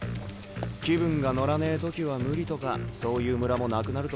気分が乗らねえ時は無理とかそういうムラもなくなると思うぜ。